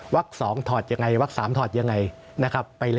วัก๒ถอดอย่างไรวัก๓ถอดอย่างไร